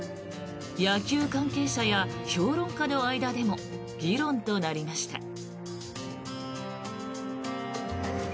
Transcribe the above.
野球関係者や評論家の間でも議論となりました。